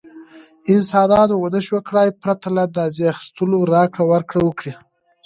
انسانانو ونشو کړای پرته له اندازې اخیستلو راکړه ورکړه وکړي.